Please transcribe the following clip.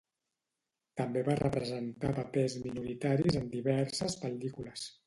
També va representar papers minoritaris en diverses pel·lícules.